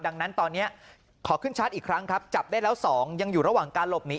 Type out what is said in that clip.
ดังนั้นตอนนี้ขอขึ้นชาร์จอีกครั้งครับจับได้แล้ว๒ยังอยู่ระหว่างการหลบหนี